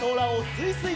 すいすい！